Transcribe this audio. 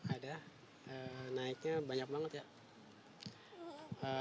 ada naiknya banyak banget ya